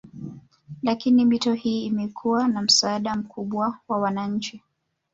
Lakini mito hii imekuwa na msaada mkubwa kwa wananchi